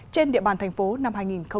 trên địa bàn tp hcm năm hai nghìn hai mươi